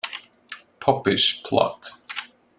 Popish plot